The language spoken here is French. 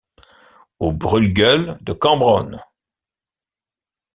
au brûle-gueule de Cambronne.